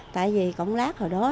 tại vì cộng lát hồi đó